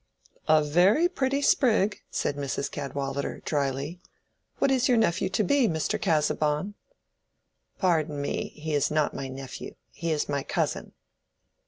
"A very pretty sprig," said Mrs. Cadwallader, dryly. "What is your nephew to be, Mr. Casaubon?" "Pardon me, he is not my nephew. He is my cousin."